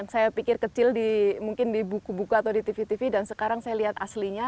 saya pikir kecil mungkin di buku buku atau di tv tv dan sekarang saya lihat aslinya